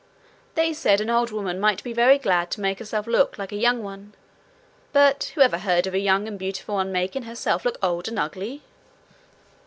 They said an old woman might be very glad to make herself look like a young one, but who ever heard of a young and beautiful one making herself look old and ugly?